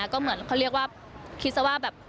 ก็คือต้องเรียกว่า